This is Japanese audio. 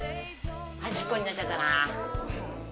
端っこになっちゃったな